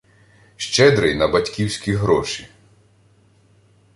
Щедрий на батьківські гроші.